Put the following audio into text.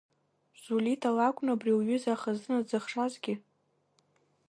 Зулита лакәны абри лҩыза ахазына дзыхшазгьы?!